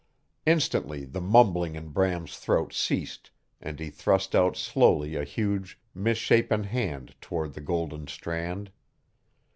Instantly the mumbling in Bram's throat ceased and he thrust out slowly a huge misshapen hand toward the golden strand.